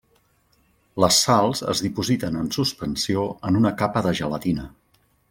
Les sals es dipositen en suspensió en una capa de gelatina.